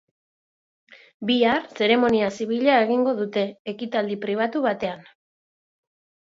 Bihar, zeremonia zibila egingo dute, ekitaldi pribatu batean.